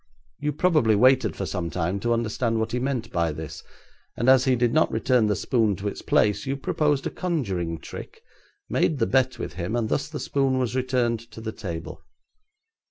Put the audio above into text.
You probably waited for some time to understand what he meant by this, and as he did not return the spoon to its place, you proposed a conjuring trick, made the bet with him, and thus the spoon was returned to the table.'